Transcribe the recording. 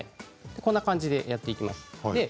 こんな感じでやっていきます。